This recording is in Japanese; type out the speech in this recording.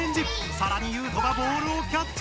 さらにユウトがボールをキャッチ！